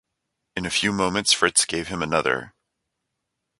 In a few moments Fritz gave him another.